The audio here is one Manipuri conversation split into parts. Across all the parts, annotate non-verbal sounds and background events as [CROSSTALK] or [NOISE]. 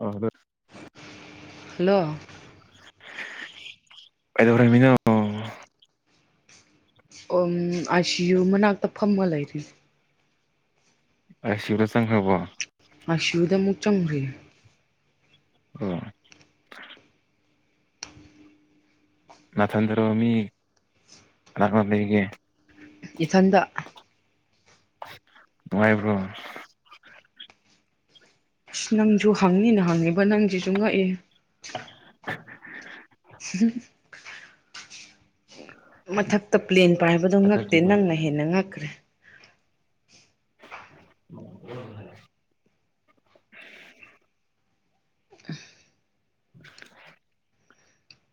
ꯑꯥ [UNINTELLIGIBLE] ꯍꯜꯂꯣ ꯀꯩꯗꯧꯔꯝꯃꯤꯅꫭ ꯑꫭꯡ ꯑꯥꯏ ꯁꯤ ꯌꯨ ꯃꯅꯥꯛꯇ ꯐꯝꯃ ꯂꯩꯔꯤ ꯑꯥꯏ ꯁꯤ ꯌꯨꯗ ꯆꯪꯈ꯭ꯔꯕꯣ ꯑꯥꯏ ꯁꯤ ꯌꯨꯗ ꯑꯃꯨꯛ ꯆꯪꯈ꯭ꯔꯦ ꯀꫭ ꯅꯊꯟꯗꯔꯣ ꯃꯤ ꯀꯅꯥ ꯀꯅꯥ ꯂꯩꯔꯤꯒ‌ꯦ ꯏꯊꯟꯗ ꯅꯨꯡꯉꯥꯏꯕ꯭ꯔꯣ ꯑꯁ ꯅꯪꯁꯨ ꯍꯪꯅꯤꯅ ꯍꯪꯉꯤꯕ ꯅꯪꯁꯤꯁꯨ ꯉꯛꯑ‌ꯦꯍ‌ꯦ [UNINTELLIGIBLE] ꯃꯊꯛꯇ ꯄ꯭ꯂꯦꯟ ꯄꯥꯏꯕꯗꫭ ꯉꯛꯇꯦ ꯄꯥꯏꯈꯠꯇ꯭ꯔꯤꯕꯣ? ꯅꯪꯅ ꯍꯦꯟꯅ ꯉꯛꯈ꯭ꯔꯦ [UNINTELLIGIBLE] [UNINTELLIGIBLE]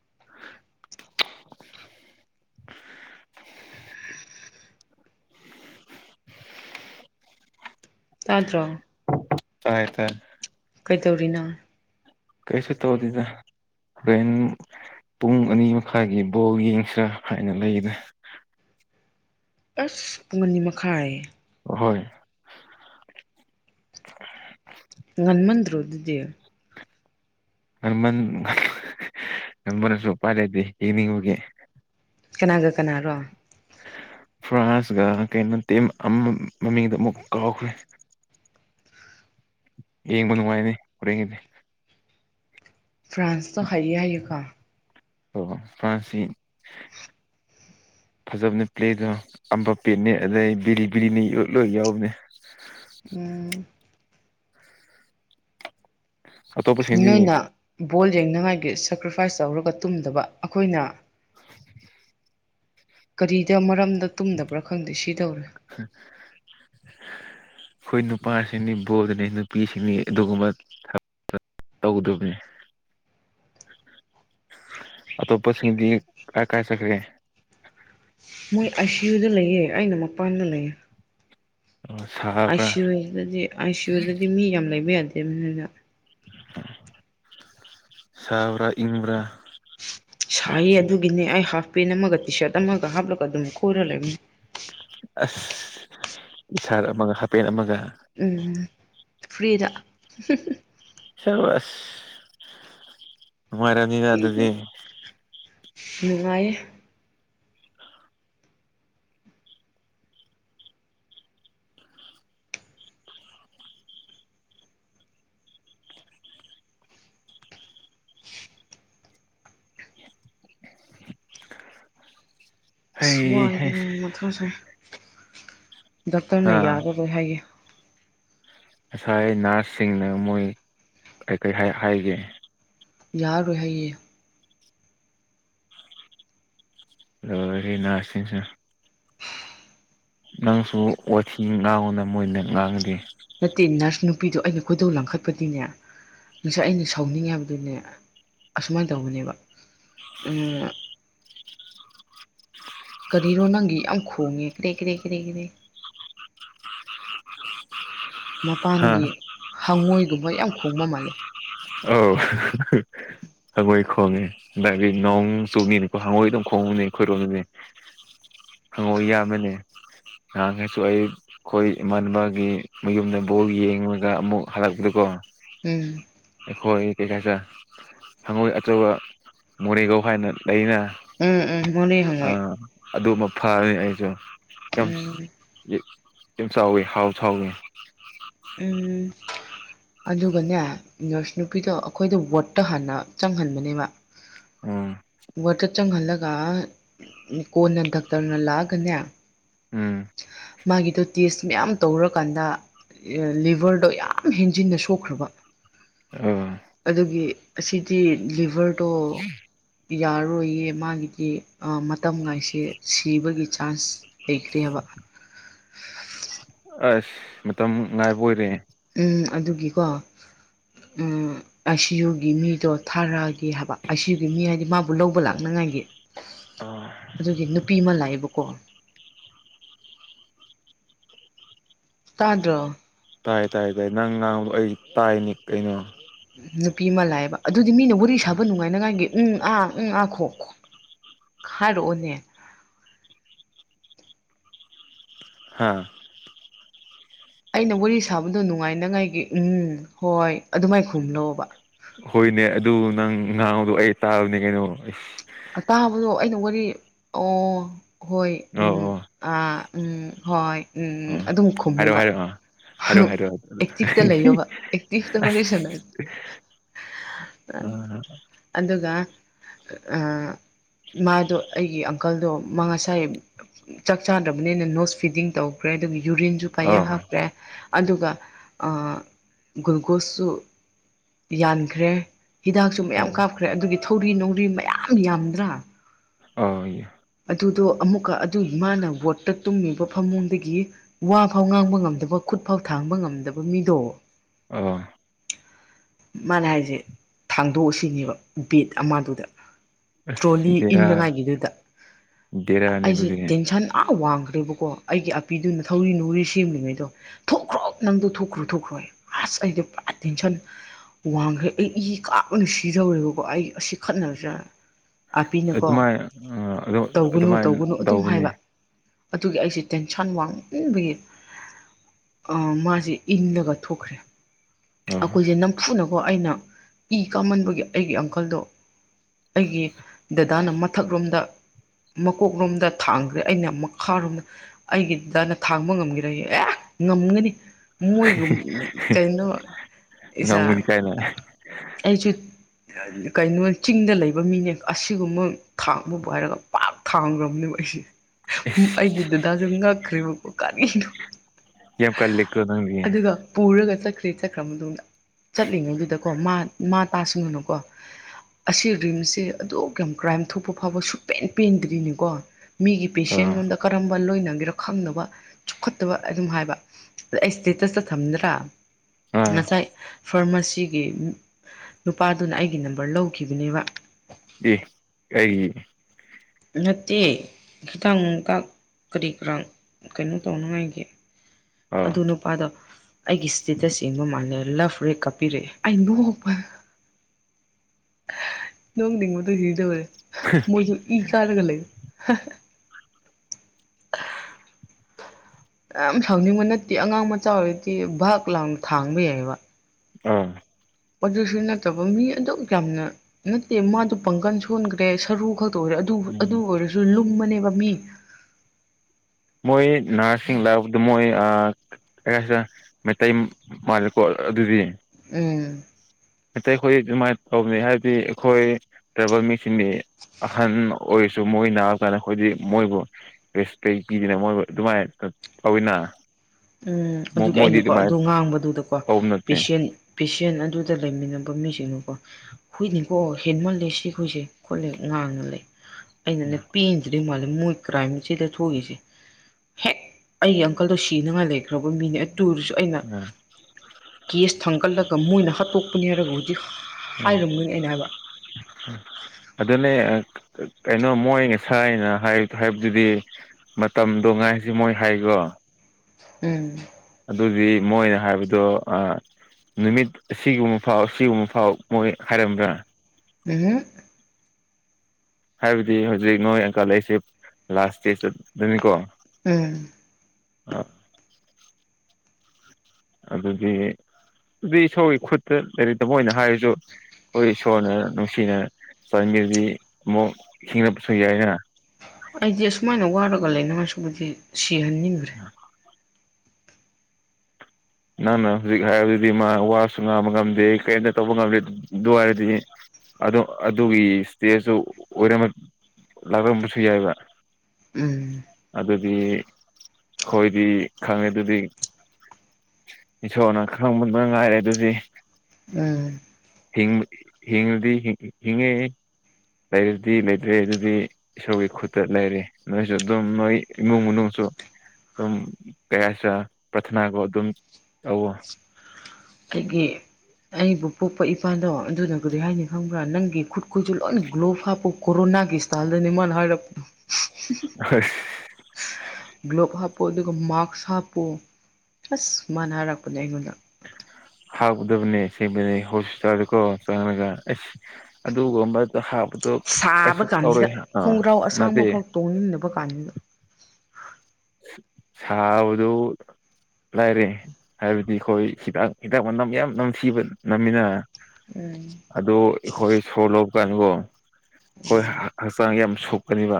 [UNINTELLIGIBLE] [UNINTELLIGIBLE] ꯇꯥꯗ꯭ꯔꯣ ꯇꯥꯏꯌꯦ ꯇꯥꯏꯌꯦ ꯀꯩꯗꯧꯔꯤꯅꯣ ꯀꯩꯁꯨ ꯇꯧꯗ‌ꯦꯗ ꯍꫭꯔ‌ꯦꯟ ꯄꯨꯡ ꯑꯅꯤ ꯃꯈꯥꯏꯒꯤ ꯕꯣꯜ ꯌꯦꯡꯁꯤꯔꯥ ꯍꯥꯏꯅ ꯂꯩꯔꯤꯗ ꯑꯁ ꯄꯨꯡ ꯑꯅꯤ ꯃꯈꯥꯏ ꯑꯍꯣꯏ ꯉꯟꯃꯟꯗꯔꯣ ꯑꯗꯨꯗꯤ ꯉꯟꯃꯟ ꯉꯟꯃꯟꯂꯁꯨ ꯎꯄꯥꯏ ꯂꯩꯇꯦ ꯌꯦꯡꯅꯤꯡꯕꯒꯤ ꯀꯅꯥꯒ ꯀꯅꯥꯔꯣ ꯐ꯭ꯔꯥꯟꯁꯀ ꯀꯩꯅꯣ ꯇꯤꯝ ꯑꯃ ꯃꯃꯤꯡꯗꯨ ꯑꯃꯨꯛ ꯀꯥꯎꯈ꯭ꯔꯦ ꯌꯦꯡꯕ ꯅꯨꯡꯉꯥꯏꯅꯤ ꯍꯣꯔꯦꯟꯒꯤꯗꯤ ꯐ꯭ꯔꯥꯟꯁꯇꯣ ꯍꯩꯌꯦ ꯍꯥꯏꯌ‌‌ꯦꯀꯣ ꯑꯣ ꯐ꯭ꯔꯥꯟꯁꯇꯤ ꯐꯖꯕꯅꯦ ꯄ꯭ꯂꯦꯗꯣ ꯑꯝꯕꯥꯞꯄꯦꯅꯦ ꯑꯗꯩꯗꯤ ꯕꯤꯔꯤ ꯕꯤꯔꯤꯅꯤ ꯂꯣꯏ ꯌꯥꯎꯕꯅꯦ [UNINTELLIGIBLE] ꯎꯝ ꯑꯇꯣꯞꯄꯁꯤꯡꯗꯤ ꯅꯣꯏꯅ ꯕꯣꯜ ꯌꯦꯡꯅꯉꯥꯏꯒꯤ ꯁꯦꯀ꯭ꯔꯤꯐꯥꯏꯁ ꯇꯧꯔꯒ ꯇꯨꯝꯗꯕ ꯑꯩꯈꯣꯏꯅ ꯀꯔꯤꯗ ꯃꯔꯝꯗ ꯇꯨꯝꯗꯕ꯭ꯔꯥ ꯈꯪꯗꯦ ꯁꯤꯗꯧꯔꯦ [UNINTELLIGIBLE] ꯑꯩꯈꯣꯏ ꯅꯨꯄꯥꯁꯤꯡꯅꯤ ꯕꯣꯜꯗꯅꯤ ꯅꯨꯄꯤꯁꯤꯡꯅꯤ ꯑꯗꯨꯒꯨꯝꯕ ꯊꯕꯛ ꯇꯧꯗꯕꯅꯦ ꯑꯇꯣꯞꯄꯁꯤꯡꯗꯤ ꯀꯥꯏ ꯀꯥꯏ ꯆꯠꯈ꯭ꯔꯦ ꯃꯣꯏ ꯑꯥꯏ ꯁꯤ ꯌꯨꯗ ꯂꯩꯌꯦ ꯑꯩꯅ ꯃꯄꯥꯟꯗ ꯂꯩꯌꯦ ꯑꯥꯏ ꯁꯥꯕ꯭ꯔꯥ ꯁꯤ ꯌꯨꯗꯗꯤ ꯑꯥꯏ ꯁꯤ ꯌꯨꯗꯗꯤ ꯃꯤ ꯌꯥꯝ ꯂꯩꯕ ꯌꯥꯗꯦꯕꯅꯤꯅ ꯁꯥꯕ꯭ꯔꯥ ꯏꯪꯕ꯭ꯔꯥ ꯁꯥꯏꯌꯦ ꯑꯗꯨꯒꯤꯅꯦ ꯑꯩ ꯍꯥꯐ ꯄꯦꯟ ꯑꯃꯒ ꯇꯤ ꯁꯥꯔꯠ ꯑꯃꯒ ꯍꯥꯞꯂꯒ ꯑꯗꯨꯝ ꯀꯣꯢꯔ ꯂꯩꯕꯅꯦ ꯑꯁ ꯇꯤ ꯁꯥꯔꯠ ꯑꯃꯒ ꯍꯥꯞ ꯄꯦꯟ ꯑꯃꯒ ꯎꯝ ꯐ꯭ꯔꯤꯗ ꯁꯦꯡꯕ ꯑꯁ ꯅꯨꯡꯉꯥꯏꯔ ꯅꯨꯡꯉꯥꯏꯌꯦ [INAUDIBLE] [INAUDIBLE] ꯑꯁ ꯋꯥ ꯍꯩ [UNINTELLIGIBLE] ꯃꯊꯥ ꯁꯥꯢ ꯗꯣꯛꯇꯔꯅ ꯑꯥ ꯌꯥꯔꯔꯣꯏ ꯍꯥꯏꯌꯦ ꯉꯁꯥꯏ ꯅꯥꯔꯁꯤꯡꯅ ꯃꯣꯏ ꯀꯩ ꯀꯩ ꯍꯥꯏꯒꯦ ꯌꯥꯔꯔꯣꯏ ꯍꯥꯏꯌꯦ ꯂꯣꯏꯔꯦ ꯅꯥꯔꯁ ꯁꯤꯡꯁꯨ ꯅꯪꯁꯨ ꯋꯥꯊꯤ ꯉꯥꯡꯉꯨꯅ ꯃꯣꯏꯅ ꯉꯥꯡꯉꯥꯗꯤ ꯅꯠꯇꯦ ꯅꯔꯁ ꯅꯨꯄꯤꯗꯣ ꯑꯩꯅ ꯀꯣꯏꯗꯧ ꯂꯥꯡꯈꯠꯄꯗꯤꯅꯦ ꯉꯁꯥꯢ ꯑꯩꯅ ꯁꯥꯎꯅꯤꯡꯉꯦ ꯍꯥꯏꯕꯗꯨꯅꯦ ꯑꯁꯨꯃꯥꯏꯅ ꯇꯧꯕꯅꯦꯕ ꯎꯝ ꯀꯔꯤꯔꯣ ꯅꯪꯒꯤ ꯌꯥꯝ ꯈꯣꯡꯉꯦ ꯀꯔꯦ ꯀꯔꯦ ꯀꯔꯦ ꯀꯔꯦ ꯍꯥ ꯃꯄꯥꯟꯒꯤ ꯍꯪꯉꯣꯏꯒꯨꯝꯕ ꯌꯥꯝ ꯈꯣꯡꯕ ꯃꯥꯜꯂꯦ ꯑꯥꯎ ꯍꯪꯉꯣꯏ ꯈꯣꯡꯉꯦ ꯗꯗꯤ ꯅꯣꯡ ꯆꯨꯕꯅꯤꯅꯥꯀꯣ ꯍꯪꯉꯣꯏ ꯑꯗꯨꯝ ꯈꯣꯡꯉꯅꯦ ꯑꯈꯣꯏꯔꯣꯝꯗꯤ ꯍꯪꯉꯣꯢ ꯌꯥꯝꯕꯅꯦ ꯅꯍꯥꯟꯒꯩꯁꯨ ꯑꯩ ꯑꯩꯈꯣꯏ ꯏꯃꯥꯟꯅꯕꯒꯤ ꯃꯌꯨꯝꯗ ꯕꯣꯜ ꯌꯦꯡꯂꯡꯒ ꯑꯃꯨꯛ ꯍꯜꯂꯛꯄꯗꯀꯣ ꯎꯝ ꯑꯩꯈꯣꯏ ꯀꯩ ꯍꯥꯢꯁꯤꯔ ꯍꯪꯉꯣꯏ ꯑꯆꯧꯕ ꯃꯣꯔꯦꯒꯧ ꯍꯥꯏꯅ ꯂꯩꯅ ꯎꯝ ꯎꯝ ꯃꯣꯔꯦ ꯍꯪꯉꯣꯏ ꯑꯗꯨꯃꯥ ꯐꯔꯦ ꯑꯩꯁꯨ ꯌꯥꯝ ꯎꯝ ꯌꯥꯝ ꯆꯥꯎꯋꯦ ꯍꯥꯎꯁꯨ ꯍꯥꯎꯋꯦ ꯎꯝ ꯑꯗꯨꯒꯅꯦ ꯅꯥꯔꯁ ꯅꯨꯄꯤꯗꯣ ꯑꯩꯈꯣꯏꯗꯣ ꯋꯥꯔꯠꯇ ꯍꯥꯟꯅ ꯆꯪꯍꯟꯕꯅꯦꯕ ꯎꯝ ꯋꯥꯔꯗꯠꯇ ꯆꯪꯍꯜꯂꯒ ꯀꯣꯟꯅ ꯗꯥꯛꯇꯔꯅ ꯂꯥꯛꯑꯒꯅꯦ ꯎꯝ ꯃꯥꯒꯤꯗꯣ ꯇꯦꯁ ꯃꯌꯥꯝ ꯇꯧꯔꯀꯥꯟꯗ ꯂꯤꯚꯔꯗꯣ ꯌꯥꯝ ꯍꯦꯟꯖꯤꯟꯅ ꯁꯣꯛꯈ꯭ꯔꯕ ꯑ ꯑꯗꯨꯒꯤ ꯑꯁꯤꯗꯤ ꯂꯤꯚꯔꯗꯣ ꯌꯥꯔꯔꯣꯏꯌꯦ ꯃꯥꯒꯤꯗꯤ ꯑꯥ ꯃꯇꯝ ꯉꯥꯏꯁꯦ ꯁꯤꯕꯒꯤ ꯆꯥꯟꯁ ꯂꯩꯈ꯭ꯔꯦꯕ ꯑꯁ ꯃꯇꯝ ꯉꯥꯏꯕ ꯑꯣꯏꯔꯦ ꯎꯝ ꯑꯗꯨꯒꯤꯀꯣ ꯑꯥꯢ ꯁꯤ ꯌꯨꯒꯤ ꯃꯤꯗꯣ ꯊꯥꯔꯥꯒꯦ ꯍꯥꯏꯕ ꯑꯥꯢ ꯁꯤ ꯌꯨꯒꯤ ꯃꯤ ꯍꯥꯏꯗꯤ ꯃꯥꯕꯨ ꯂꯧꯕ ꯂꯥꯛꯅꯉꯥꯏꯒꯤ ꯑ ꯑꯗꯨꯒꯤ ꯅꯨꯄꯤ ꯑꯃ ꯂꯥꯛꯑꯦꯕꯀꯣ ꯇꯥꯗ꯭ꯔꯣ ꯇꯥꯏ ꯇꯥꯏ ꯇꯥꯏ ꯅꯪ ꯉꯥꯡꯕ ꯑꯩ ꯇꯥꯏꯅꯤ ꯀꯩꯅꯣ ꯅꯨꯄꯤ ꯑꯃ ꯂꯥꯛꯑꯦꯕ ꯑꯗꯨꯗꯤ ꯃꯤꯅ ꯋꯥꯔꯤ ꯁꯥꯕ ꯅꯨꯡꯉꯥꯏꯅꯤꯡꯉꯥꯏꯒꯤ ꯎꯝ ꯑꯥ ꯎꯝ ꯑꯥ ꯈꯣ ꯈꯥꯔꯛꯑꯣꯅꯦ ꯍꯥꯥ ꯑꯩꯅ ꯋꯥꯔꯤ ꯁꯥꯕꯗꯣ ꯅꯨꯡꯉꯥꯏꯅꯉꯥꯏꯒꯤ ꯎꯝ ꯍꯣꯏ ꯑꯗꯨꯃꯥꯏ ꯈꯨꯝꯂꯛꯕ ꯍꯣꯏꯅꯦ ꯑꯗꯨ ꯅꯪ ꯉꯥꯡꯕꯗꯣ ꯑꯩ ꯇꯥꯕꯅꯦ ꯀꯩꯅꯣ ꯇꯥꯕꯗꯣ ꯑꯩꯅ ꯋꯥꯔꯤ ꯑꯣ ꯍꯣꯏ ꯎꯝ ꯑꯣ ꯑꯣ ꯎꯝ ꯍꯣꯏ ꯎꯝ ꯑꯣ ꯑꯗꯨꯝ ꯍꯥꯏꯔꯛꯑꯣ ꯈꯨꯝꯃꯨꯕ ꯍꯥꯏꯔꯛꯑꯣ ꯍꯥꯏꯔꯛꯑꯣ ꯑꯦꯛꯇꯤꯚꯇ ꯍꯥꯏꯔꯛꯑꯣ ꯂꯩꯌꯣꯕ ꯑꯦꯛꯇꯤꯚꯇ ꯑ ꯋꯥꯔꯤꯁꯅ ꯑꯗꯨꯒ ꯃꯥꯗꯣ ꯑꯩꯒꯤ ꯑꯪꯀꯜꯗꯣ ꯃꯥ ꯉꯁꯥꯏ ꯆꯥꯛ ꯆꯥꯗ꯭ꯔꯕꯅꯤꯅ ꯅꯣꯁ ꯐꯤꯗꯤꯡ ꯇꯧꯈ꯭ꯔꯦ ꯑꯗꯨꯒ ꯌꯨꯔꯤꯟꯁꯨ ꯄꯥꯏꯌꯦꯞ ꯑꯧ ꯍꯥꯞꯄ꯭ꯔꯦ ꯑꯗꯨꯒ ꯒꯨꯜꯒꯣꯁꯁꯨ ꯌꯥꯟꯈ꯭ꯔꯦ ꯍꯤꯗꯥꯛꯁꯨ ꯃꯌꯥꯝ ꯀꯥꯞꯈ꯭ꯔꯦ ꯑꯗꯨꯒꯤ ꯊꯧꯔꯤ ꯧꯔꯤ ꯃꯌꯥꯝ ꯌꯥꯝꯗ꯭ꯔꯥ ꯑꯣ ꯑꯗꯨꯗꯣ ꯑꯃꯨꯛꯀ ꯑꯗꯨ ꯏꯃꯥꯅ ꯋꯣꯔꯠꯇ ꯇꯨꯝꯃꯤꯕ ꯐꯃꯨꯡꯗꯒꯤ ꯋꯥ ꯐꯥꯎ ꯉꯥꯡꯕ ꯉꯝꯗꯕ ꯈꯨꯠ ꯐꯥꯎ ꯊꯥꯡꯕ ꯉꯝꯗꯕ ꯃꯤꯗꯣ ꯑꯣ ꯃꯥꯅ ꯍꯥꯏꯁꯦ ꯊꯥꯡꯗꯣꯛꯑꯁꯤꯅꯦꯕ ꯕꯦꯠ ꯑꯃꯗꯨꯗ ꯇ꯭ꯔꯣꯂꯤ ꯕꯦꯔꯥ ꯏꯟꯗꯅꯒꯗꯗ ꯕꯦꯔꯥꯅꯤ ꯑꯩꯁꯦ ꯑꯗꯨꯗꯤ ꯇꯦꯟꯁꯟ ꯑꯥ ꯋꯥꯡꯈ꯭ꯔꯦꯕꯀꯣ ꯑꯩꯒꯤ ꯑꯄꯤꯗꯨꯅ ꯊꯧꯔꯤ ꯔꯤ ꯁꯦꯝꯂꯤꯉꯩꯗꯣ ꯊꯣꯛꯈ꯭ꯔꯣ ꯅꯪꯗꯣ ꯊꯣꯛꯈ꯭ꯔꯣ ꯊꯣꯛꯈ꯭ꯔꯣ ꯑꯁ ꯑꯩꯗꯤꯣ ꯄꯨꯔꯥ ꯇꯦꯟꯁꯟ ꯋꯥꯡꯈ꯭ꯔꯦ ꯑꯩ ꯏ ꯀꯥꯞꯅ ꯁꯤꯖꯧꯔꯦꯕꯀꯣ ꯑꯩ ꯑꯁꯤ ꯈꯠꯅꯖꯦ ꯑꯥꯄꯤꯅꯨꯀꯣ ꯑ ꯇꯧꯒꯅꯨ ꯇꯧꯒꯅꯨ ꯑꯗꯨꯝ ꯍꯥꯏꯕ ꯑꯗꯨꯒꯤ ꯑꯩꯁꯦ ꯇꯦꯟꯁꯟ ꯋꯥꯡꯕꯒꯤ ꯃꯥꯁꯦ ꯏꯜꯂꯒ ꯊꯣꯛꯈ꯭ꯔꯦ ꯑꯥ ꯑꯩꯈꯣꯏꯁꯦ ꯅꯝꯊꯨꯅꯕꯅꯕꯣ ꯑꯩꯅ ꯏ ꯀꯥꯝꯃꯟꯕꯒꯤ ꯑꯩꯒꯤ ꯑꯪꯈꯜꯗꯣ ꯑꯩꯒꯤ ꯗꯗꯥꯅ ꯃꯊꯛꯂꯣꯝꯗ ꯃꯀꯣꯛꯂꯣꯝꯗ ꯊꯥꯡꯈ꯭ꯔꯦ ꯑꯩꯅ ꯃꯈꯥꯔꯣꯝꯗ ꯑꯩꯒꯤꯗꯅ ꯊꯥꯡꯕ ꯉꯝꯈꯤꯔꯦ ꯑꯦ ꯉꯝꯒꯅꯤ ꯃꯣꯏꯒꯨꯝ ꯀꯩꯅꯣ ꯏꯁꯥ ꯉꯝꯒꯅꯤ ꯀꯥꯏꯅ ꯑꯦꯁ ꯑꯩꯁꯨ ꯀꯩꯅꯣ ꯆꯤꯡꯗ ꯂꯩꯕ ꯃꯤꯅꯦ ꯑꯁꯤꯒꯨꯝꯕ ꯊꯥꯛ ꯑꯃꯕꯨ ꯍꯥꯏꯔꯒ ꯄꯥꯛꯞ ꯊꯥꯡꯈ꯭ꯔꯕꯅꯦꯕ ꯑꯩꯁꯦ ꯑꯩꯒꯤ ꯗꯥꯁꯨ ꯉꯛꯈ꯭ꯔꯦꯕꯀꯣ ꯀꯔꯤꯅꯣ ꯌꯦ ꯀꯜ ꯂꯀꯗꯦ ꯑꯗꯨꯒ ꯄꯨꯔꯒ ꯆꯠꯈ꯭ꯔꯦ ꯆꯠꯈ꯭ꯔꯕ ꯃꯇꯨꯡ ꯆꯠꯂꯤꯉꯩꯗꯨꯗꯀꯣ ꯃꯥ ꯃꯥ ꯇꯥꯁꯤꯉꯨꯅꯨꯀꯣ ꯑꯁꯤ ꯔꯤꯝꯁꯁꯦ ꯑꯗꯨꯛ ꯌꯥꯝ ꯀ꯭ꯔꯥꯏꯝ ꯊꯣꯛꯄ ꯐꯥꯎꯕ ꯁꯨꯛ ꯄꯦꯟ ꯄꯦꯟꯗ꯭ꯔꯤꯅꯤꯀꯣ ꯃꯤꯒꯤ ꯄꯦꯁꯦꯟꯉꯣꯟꯗ ꯀꯔꯝꯕ ꯂꯣꯏꯅꯕꯤꯔꯣ ꯈꯪꯗꯅꯕ ꯆꯨꯞꯈꯠꯇꯕ ꯑꯗꯨꯝ ꯍꯥꯏꯕ ꯑꯩ ꯏꯁꯇꯤꯇꯁꯨꯇ ꯊꯝꯗ꯭ꯔꯥ ꯑꯥ ꯉꯁꯥꯏ ꯐꯥꯔꯃꯥꯁꯤꯒꯤ ꯅꯨꯄꯥꯗꯨꯅ ꯑꯩꯒꯤ ꯅꯝꯕꯔ ꯂꯧꯈꯤꯕꯅꯦꯕ ꯑꯦ ꯀ ꯅꯠꯇꯦ ꯈꯤꯇꯥꯡ ꯅꯨꯡꯇꯥꯛ ꯀꯔꯤ ꯀꯔꯥꯡ ꯀꯩꯅꯣ ꯇꯧꯅꯉꯥꯏꯒꯤꯦ ꯑꯥ ꯑꯗꯨ ꯅꯨꯄꯥꯗꯣ ꯑꯩꯒꯤ ꯏꯁꯇꯦꯇꯁ ꯌꯦꯡꯕ ꯃꯥꯜꯂꯦ ꯂꯞ ꯕ꯭ꯔꯦꯛ ꯀꯞꯄꯤꯔꯛꯑꯦ ꯑꯩ ꯅꯣꯡꯕ ꯂꯣꯡ ꯅꯤꯡꯃ ꯇ ꯍꯤꯗꯦ ꯍ ꯏ ꯀꯥꯔꯒ ꯂꯩ ꯌꯥꯝ ꯁꯥꯎꯅꯤꯡꯕ ꯅꯠꯇꯦ ꯑꯉꯥꯡ ꯃꯆꯥ ꯑꯣꯏꯔꯗꯤ ꯚꯥꯛ ꯂꯥꯡ ꯊꯥꯡꯕ ꯌꯥꯏꯑꯕ ꯑꯥ ꯑꯗꯨꯁꯨ ꯅꯠꯇꯕ ꯃꯤ ꯑꯗꯨꯛ ꯌꯥꯝꯅ ꯅꯠꯇꯦ ꯃꯥꯗꯨ ꯄꯥꯡꯒꯟ ꯁꯣꯟꯒ꯭ꯔꯦ ꯁꯔꯨ ꯈꯛ ꯇ ꯑꯣꯏꯔꯦ ꯑꯗꯨ ꯑꯗꯨ ꯎꯝ ꯑꯣꯏꯔꯁꯨ ꯂꯨꯝꯕꯅꯦꯕ ꯃꯤ ꯃꯣꯏ ꯅꯥꯔꯁꯤꯡ ꯂꯥꯛꯕꯗ ꯃꯣꯏ ꯑꯥ [UNINTELLIGIBLE] ꯃꯩꯇꯩ ꯃꯥꯜꯂꯦꯀꯣ ꯑꯗꯨꯗꯤ ꯑ ꯃꯩꯇꯩꯈꯣꯏ ꯑꯗꯨꯃꯥꯏ ꯇꯧꯕꯅꯤ ꯍꯥꯏꯕꯗꯤ ꯑꯩꯈꯣꯏ ꯇ꯭ꯔꯥꯏꯕꯦꯜ ꯃꯤꯡꯁꯤꯅꯤ ꯑꯍꯟ ꯑꯣꯏꯔꯁꯨ ꯃꯣꯏ ꯅꯥꯕ ꯀꯥꯟꯗ ꯑꯩꯈꯣꯏꯗꯤ ꯃꯣꯏꯕꯨ ꯔꯦꯁꯄꯦꯛ ꯄꯤꯗꯅ ꯃꯣꯏ ꯑꯗꯨꯃꯥꯏ ꯇꯧꯋꯤꯅ ꯎꯝ ꯑꯗꯨꯒꯤ ꯃꯣꯏꯗꯤ ꯑꯩꯅꯀꯣ ꯑꯗꯨꯃꯥꯏꯅ ꯑꯗꯨ ꯉꯥꯡꯕꯗꯨꯗꯀꯣ ꯇꯧꯕ ꯅꯠꯇꯦ ꯄꯦꯁꯦꯟ ꯄꯤꯁꯦꯟ ꯑꯗꯨꯗ ꯂꯩꯃꯤꯟꯅꯕ ꯃꯤꯁꯤꯡꯅꯀꯣ ꯍꯨꯏꯅꯤꯀꯣ ꯍꯦꯟꯃꯜꯂꯦ ꯁꯤꯈꯣꯏꯁꯦ ꯈꯣꯠꯂꯦ ꯉꯥꯡꯅ ꯂꯩ꯫ ꯎꯝ ꯑꯩꯅꯅꯦ ꯄꯦꯟꯗ꯭ꯔꯤ ꯃꯥꯜꯂꯦ ꯃꯣꯏ ꯀ꯭ꯔꯥꯏꯝ ꯁꯤꯗ ꯊꯣꯛꯏꯁꯦ ꯍꯦꯛ ꯑꯩꯒꯤ ꯑꯪꯀꯜꯗꯣ ꯁꯤ ꯅꯉꯥꯏ ꯂꯩꯈ꯭ꯔꯕ ꯃꯤꯅꯦ ꯑꯇꯨꯔꯁꯨ ꯑꯩꯅ ꯎꯝ ꯀꯦꯁ ꯊꯥꯡꯒꯠꯂꯒ ꯃꯣꯏꯅ ꯍꯥꯠꯇꯣꯛ ꯄꯨꯅꯤ ꯍꯥꯏꯔꯒꯕꯨꯗꯤꯛ ꯍꯥꯏꯔꯝꯒꯅꯤ ꯑꯩꯅ ꯍꯥꯏꯕ ꯑꯗꯨꯅꯦ ꯑꯥ ꯀꯩꯅꯣ ꯃꯣꯏ ꯉꯁꯥꯏꯅ ꯍꯥꯏ ꯍꯥꯏꯕꯗꯨꯗꯤ ꯃꯇꯝꯗꯣ ꯉꯥꯏꯁꯤ ꯃꯣꯏ ꯍꯥꯏꯒꯣ ꯫ ꯎꯝ ꯑꯗꯨꯗꯤ ꯃꯣꯏꯅ ꯍꯥꯏꯕꯗꯣ ꯑꯥ ꯅꯨꯃꯤꯠ ꯑꯁꯤꯒꯨꯝꯕ ꯐꯥꯎ ꯁꯤꯒꯨꯝꯕ ꯐꯥꯎ ꯃꯣꯏ ꯍꯥꯏꯔꯝꯕ꯭ꯔꯥ? ꯎꯝ ꯍꯥꯏꯕꯗꯤ ꯍꯧꯖꯤꯛ ꯅꯣꯏ ꯑꯪꯀꯂꯛꯏꯁꯦ ꯂꯥꯁ ꯏꯁꯇꯦꯖꯇꯗꯅꯤꯀꯣ ꯎꯝ ꯑꯥ ꯑꯗꯨꯗꯤ ꯑꯗꯨꯗꯤ ꯏꯁꯣꯔꯒꯤ ꯈꯨꯠꯇ ꯂꯩꯔꯤꯇ ꯃꯣꯏꯅ ꯍꯥꯏꯔꯖꯨ ꯑꯈꯣꯏ ꯏꯁꯣꯔꯅ ꯅꯨꯡꯁꯤꯅ ꯆꯥꯟꯕꯤꯔꯗꯤ ꯑꯃꯨꯛ ꯍꯤꯡꯔꯛꯄꯁꯨ ꯌꯥꯏꯅ꯫ ꯑꯩꯗꯤ ꯑꯁꯨꯃꯥꯏꯅ ꯋꯥꯔꯒ ꯂꯩꯅꯉꯥꯏꯁꯨꯕꯨꯗꯤ ꯁꯤꯍꯟꯅꯤꯡ [UNINTELLIGIBLE] ꯅꯪꯅ ꯍꯧꯖꯤꯛ ꯍꯥꯏꯔꯕꯗꯨꯗꯤ ꯃꯥ ꯋꯥꯁꯨ ꯉꯥꯡꯕ ꯉꯝꯗꯦ ꯀꯔꯤꯝꯇ ꯇꯧꯕ ꯉꯝꯗꯦ ꯑꯗꯨꯋꯥꯔꯗꯤ ꯑꯗꯨ ꯑꯗꯨꯒꯤ ꯏꯁꯇꯦꯖꯇꯨ ꯑꯣꯏꯔ ꯂꯥꯛꯂꯝꯕꯁꯨ ꯌꯥꯏꯕ꯫ ꯎꯝ ꯑꯗꯨꯗꯤ ꯈꯣꯏꯗꯤ ꯈꯪꯉꯦ ꯑꯗꯨꯗꯤ ꯏꯁꯣꯔꯅ ꯈꯪꯕꯗꯨ ꯉꯥꯏꯔꯦ ꯑꯗꯨꯗꯤ ꯎꯝ ꯍꯤꯡꯕ ꯍꯤꯡꯉꯗꯤ ꯍꯤꯡꯉꯦ ꯂꯩꯔꯗꯤ ꯂꯩꯇ꯭ꯔꯦ ꯑꯗꯨꯗꯤ ꯏꯁꯣꯔꯒꯤ ꯈꯨꯠꯇ ꯂꯩꯔꯤ ꯅꯣꯏꯁꯨ ꯑꯗꯨꯝ ꯅꯣꯏ ꯏꯃꯨꯡ ꯃꯅꯨꯡꯁꯨ ꯑꯗꯨꯝ ꯀꯩ ꯍꯥꯏꯁꯤꯔ ꯄ꯭ꯔꯊꯅꯥꯒ ꯑꯗꯨꯝ ꯇꯧꯑꯣ꯫ ꯑꯩꯒꯤ ꯑꯩꯕꯨ ꯄꯣꯛꯄ ꯏꯄꯥꯥꯗꯣ ꯑꯗꯨꯅ ꯀꯔꯤ ꯍꯥꯏꯅꯤ ꯈꯪꯕ꯭ꯔꯥ ꯅꯪꯒꯤ ꯈꯨꯠ ꯈꯨꯠꯁꯨ ꯂꯣꯏꯅ ꯒ꯭ꯂꯣꯕ ꯍꯥꯞꯄꯨ ꯀꯣꯔꯣꯅꯥꯒꯤ ꯏꯁꯇꯥꯏꯜꯗꯅꯤ ꯃꯥꯅ ꯍꯥꯏꯔꯛꯄꯗꯨ꯫ [UNINTELLIGIBLE] ꯒ꯭ꯂꯣꯚ ꯍꯥꯞꯄꯨ ꯑꯗꯨꯒ ꯃꯥꯛꯁ ꯍꯥꯞꯄꯨ ꯑꯁ ꯃꯥꯟꯅ ꯍꯥꯏꯔꯛꯄꯅꯦ ꯑꯩꯉꯣꯟꯗ ꯍꯥꯞꯀꯗꯕꯅꯦꯕ ꯑꯁꯦꯡꯕꯅꯦ ꯍꯣꯁꯄꯤꯇꯥꯜꯗꯀꯣ ꯆꯪꯔꯒ ꯑꯁ ꯑꯗꯨꯒꯨꯝꯕꯗ ꯍꯥꯞꯄꯗꯣ ꯀꯩꯁꯨ ꯁꯥꯕ ꯇꯧꯔꯣꯏ ꯑꯥ ꯅꯠꯇꯦ ꯇꯣꯡꯅꯤꯡꯅꯕ ꯀꯥꯟꯅꯅ ꯁ ꯁꯥꯕꯗꯨꯠ ꯂꯥꯏꯔꯦ ꯍꯥꯏꯕꯗꯤ ꯈꯣꯏ ꯍꯤꯗꯥꯛ ꯍꯤꯗꯥꯛ ꯃꯅꯥ ꯃꯤꯌꯥꯝ ꯅꯝꯊꯤꯕ ꯅꯝꯃꯤꯅ ꯎꯝ ꯑꯗꯣ ꯑꯦꯈꯣꯏ ꯁꯣ ꯂꯧꯕ ꯀꯥꯟꯗꯀꯣ ꯈꯣꯏ ꯍꯥ ꯍꯛꯆꯥꯡ ꯌꯥꯝ ꯁꯣꯛꯀꯅꯤꯕ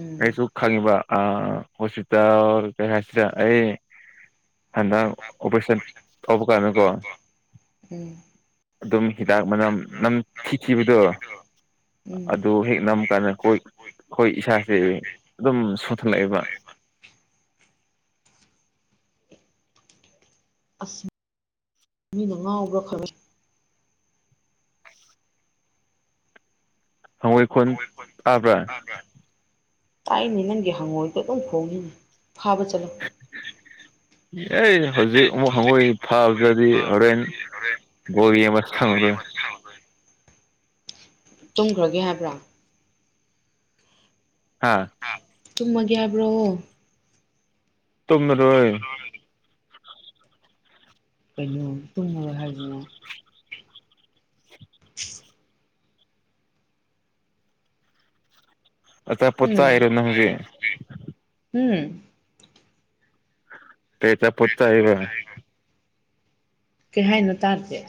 ꯎꯝ ꯑꯩꯁꯨ ꯈꯪꯉꯤꯕ ꯑꯥ ꯍꯣꯁꯄꯤꯇꯥꯜ ꯀꯩ ꯍꯥꯏꯁꯤꯔ ꯑꯩ ꯍꯟꯗꯛ ꯑꯣꯄ꯭ꯔꯦꯁꯟ ꯇꯧꯕ ꯀꯥꯟꯗꯀꯣ ꯎꯝ ꯑꯗꯨꯝ ꯍꯤꯗꯥꯛ ꯃꯅꯝ ꯅꯝꯊꯤ ꯊꯤꯕꯗꯣ ꯎꯝ ꯑꯗꯨ ꯍꯦꯛ ꯅꯝ ꯀꯥꯟꯗ ꯈꯣꯏ ꯈꯣꯏ ꯏꯁꯥꯁꯦ ꯑꯗꯨꯝ ꯁꯣꯊꯜꯂꯑꯦꯕ ꯑꯁ ꯃꯤꯅ ꯉꯥꯎꯕ꯭ꯔꯥ ꯈꯜꯂꯦ ꯍꯉꯣꯏ ꯈꯨꯟ ꯇꯥꯕ꯭ꯔꯥ ꯇꯥꯕ꯭ꯔꯥ ꯇꯥꯏꯅꯦ ꯅꯪꯒꯤ ꯍꯪꯉꯣꯏꯗꯣ ꯑꯗꯨꯝ ꯈꯣꯡꯈꯤꯅꯦ ꯐꯥꯕ ꯆꯠꯂꯣ ꯑꯦ ꯍꯧꯖꯤꯛ ꯑꯃꯨꯛ ꯍꯪꯉꯣꯏ ꯐꯥꯒ꯭ꯔꯗꯤ ꯍꯧꯔꯦꯟ ꯕꯣꯜ ꯌꯦꯡꯕ ꯁꯪꯉꯔꯣꯏ ꯇꯨꯝꯒ꯭ꯔꯒꯦ ꯍꯥꯏꯕ꯭ꯔꯥ ꯍꯥꯥ ꯍꯥ ꯇꯨꯝꯃꯒꯦ ꯍꯥꯏꯕ꯭ꯔꯣ ꯇꯨꯝꯃꯔꯣꯏ ꯀꯩꯅꯣ ꯇꯨꯝꯃꯔꯣꯏ ꯍꯥꯏꯖꯤꯅ [UNINTELLIGIBLE] ꯑꯆꯥꯄꯣꯠ ꯎꯝ ꯆꯥꯏꯔꯣ ꯅꯪ ꯖꯤ ꯎꯝ ꯀꯩ ꯑꯆꯥꯄꯣꯠ ꯆꯥꯏꯕ ꯀꯩ ꯍꯥꯏꯅꯣ ꯇꯥꯗꯦ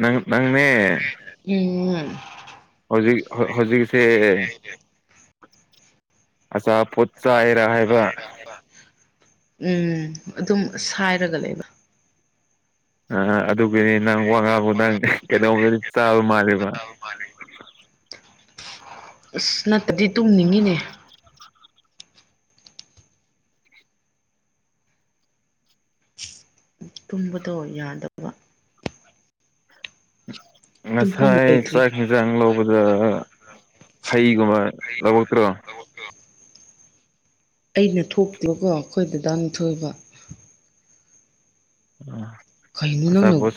ꯅꯪ ꯅꯪꯅꯦ ꯎꯝ ꯍꯣꯖꯤꯛ ꯍꯣ ꯍꯣꯖꯤꯛꯁꯦ ꯑꯆꯥꯞ ꯑꯆꯥꯄꯣꯠ ꯆꯥꯏꯔꯥ ꯍꯪꯕ ꯎꯝ ꯑꯗꯨꯝ ꯁꯥꯏꯔꯒ ꯂꯩꯕ ꯑꯍꯥ ꯑꯗꯨꯒꯤꯗꯤ ꯅꯪ ꯋꯥ ꯉꯥꯡꯕ ꯅꯪ ꯀꯩꯅꯣꯃꯗꯤ ꯆꯥꯕ ꯃꯥꯜꯂꯦꯕ ꯑꯁ ꯅꯠꯇꯗꯤ ꯇꯨꯝꯅꯤꯉꯤꯅꯦ ꯇꯨꯝꯕꯗꯣ ꯌꯥꯗꯞ [UNINTELLIGIBLE] ꯇꯨꯝꯐꯝ ꯉꯁꯥꯏ ꯂꯩꯇ꯭ꯔꯤ ꯆꯥꯛ ꯍꯦꯖꯥꯡ ꯂꯧꯕꯗ ꯍꯩꯒꯨꯝꯕ ꯂꯧꯔꯛꯇ꯭ꯔꯣ ꯑꯩꯅ ꯊꯣꯛꯇꯦꯕꯀꯣ ꯈꯣꯏ ꯗꯗꯥꯅ ꯊꯣꯏꯕ [UNINTELLIGIBLE] ꯀꯩꯅꯣ ꯅꯪꯅꯧ ꯑꯆꯥꯄꯣꯠ